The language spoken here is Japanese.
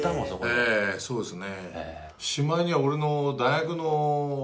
ええそうですね。